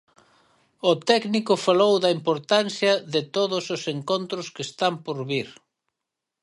O técnico falou da importancia de todos os encontros que están por vir.